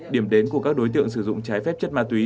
điểm đến của các đối tượng sử dụng trái phép chất ma túy